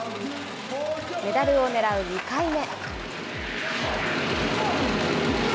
メダルをねらう２回目。